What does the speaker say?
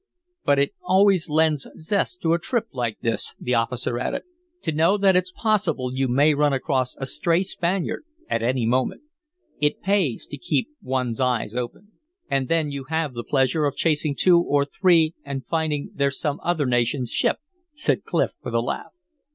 "But it always lends zest to a trip like this," the officer added, "to know that it's possible you may run across a stray Spaniard at any moment. It pays to keep one's eyes open." "And then you have the pleasure of chasing two or three and finding they're some other nation's ships," said Clif, with a laugh.